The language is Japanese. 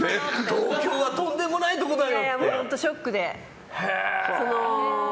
東京はとんでもないとこだよ！